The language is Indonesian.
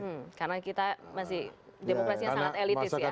hmm karena kita masih demokrasinya sangat elitis ya